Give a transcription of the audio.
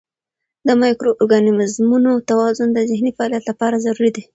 د مایکرو ارګانیزمونو توازن د ذهني فعالیت لپاره ضروري دی.